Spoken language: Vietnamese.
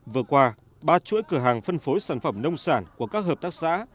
vừa qua ba chuỗi cửa hàng phân phối sản phẩm nông sản của các hợp tác xã